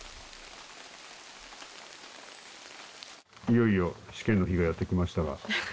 いよいよ試験の日がやってきましたが。